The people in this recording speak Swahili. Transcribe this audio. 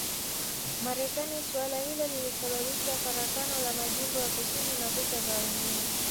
Marekani suala hilo lilisababisha farakano la majimbo ya kusini na vita vya wenyewe